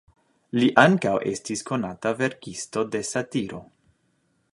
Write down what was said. Li ankaŭ estis konata verkisto de satiro.